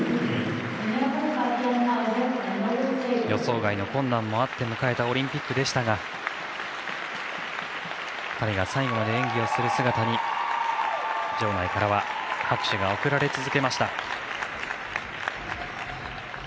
予想外の困難もあって迎えたオリンピックでしたが２人が最後まで演技をする姿に場内からは拍手が送られ続けました。